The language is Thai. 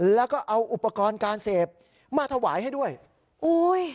แล้วก็เอาอุปกรณ์การเสพมาถวายให้ด้วยโอ้ย